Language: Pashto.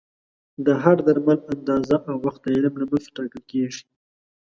د هر درمل اندازه او وخت د علم له مخې ټاکل کېږي.